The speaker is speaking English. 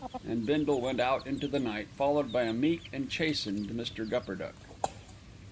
and Bindle went out into the night, followed by a meek and chastened Mr. Gupperduck.